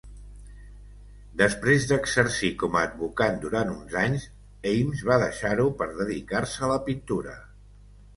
Després d'exercir com a advocat durant uns anys, Ames va deixar-ho per dedicar-se a la pintura.